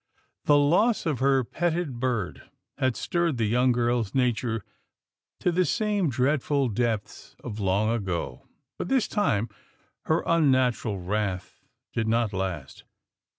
The loss of her petted bird had stirred the young girl's nature to the same dreadful depths of long ago — but this time, her unnatural wrath did not last.